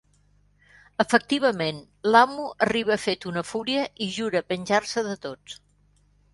Efectivament l'amo arriba fet una fúria i jura venjar-se de tots.